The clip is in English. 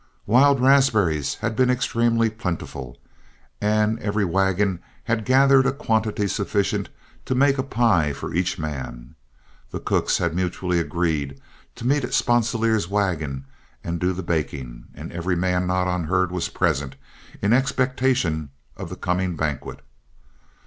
Wild raspberries had been extremely plentiful, and every wagon had gathered a quantity sufficient to make a pie for each man. The cooks had mutually agreed to meet at Sponsilier's wagon and do the baking, and every man not on herd was present in expectation of the coming banquet.